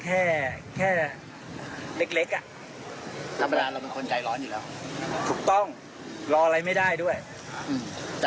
จากทำไมหรือต้องไปที่อื่น